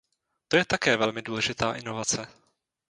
To je také velmi důležitá inovace.